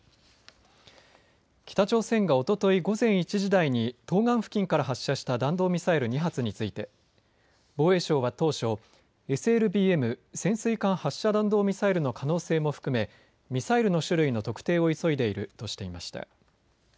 北朝鮮がおととい午前１時台に東岸付近から発射した弾道ミサイル２発について防衛省は当初、ＳＬＢＭ・潜水艦発射弾道ミサイルの可能性も含めミサイルの種類の特定を急いでいるとしていました。